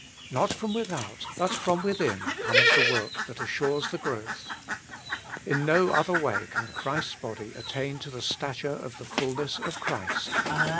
Not from without, but from within, comes the work that assures the growth. In no other way can Christ's body attain to the stature of the fulness of Christ.